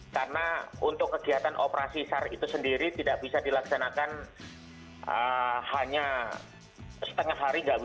karena untuk kegiatan operasi sar itu sendiri tidak bisa dilaksanakan hanya setengah hari